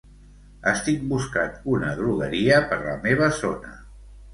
Estic buscant una drogueria per la meva zona.